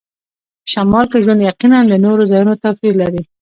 په شمال کې ژوند یقیناً له نورو ځایونو توپیر لري